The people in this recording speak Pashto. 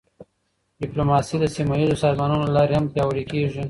ډیپلوماسي د سیمهییزو سازمانونو له لارې هم پیاوړې کېږي.